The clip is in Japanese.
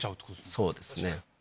そうですね。